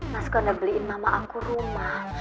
mas kau udah beliin mama aku rumah